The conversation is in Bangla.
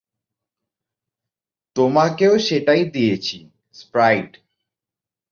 তোমাকেও সেটাই দিয়েছি, স্প্রাইট।